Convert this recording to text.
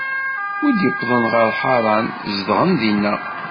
Mi wwḍen ɣer Ḥaṛan, zedɣen dinna.